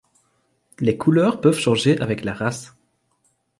Les couleurs peuvent changer avec la race.